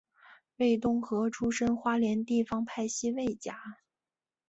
魏东河出身花莲地方派系魏家。